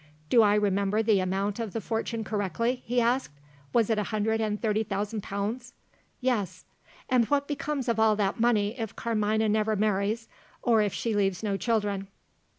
"Do I remember the amount of the fortune correctly?" he asked. "Was it a hundred and thirty thousand pounds?" "Yes." "And what becomes of all that money, if Carmina never marries, or if she leaves no children?"